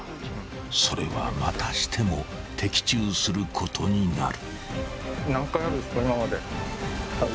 ［それはまたしても的中することになる］